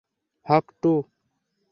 Haque - two?